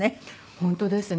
本当ですね。